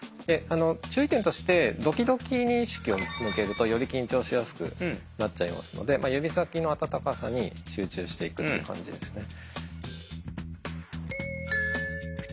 注意点としてドキドキに意識を向けるとより緊張しやすくなっちゃいますので指先の温かさに集中していくって感じですね。